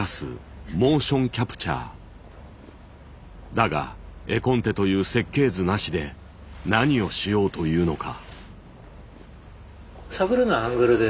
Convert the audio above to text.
だが画コンテという設計図なしで何をしようというのか。